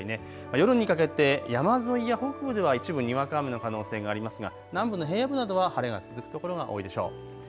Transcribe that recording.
夜にかけて山沿いや北部では一部にわか雨の可能性がありますが南部の平野部などは晴れが続く所が多いでしょう。